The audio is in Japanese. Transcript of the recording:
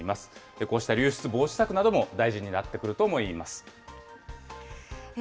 こうした流出防止策なども大事になってくると思います。